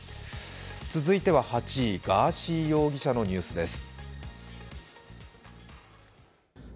続いては８位、ガーシー容疑者のニュースです。